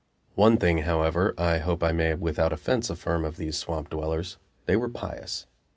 One thing, however, I hope I may without offense affirm of these swamp dwellers they were pious.